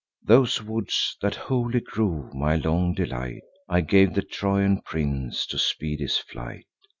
Those woods, that holy grove, my long delight, I gave the Trojan prince, to speed his flight.